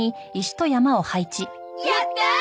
やった！